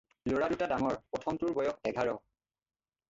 ল'ৰা দুটা ডাঙৰ, প্ৰথমটোৰ বয়স এঘাৰ।